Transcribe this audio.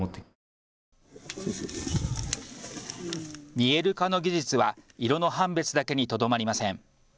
見える化の技術は色の判別だけにとどまりません。